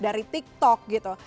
dari tiktok gitu